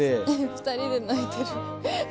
２人で泣いてる。